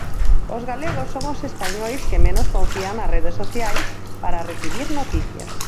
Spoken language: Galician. Os galegos son os españois que menos confían nas redes sociais para recibir noticias.